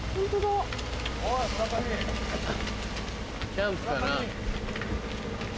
・キャンプかな？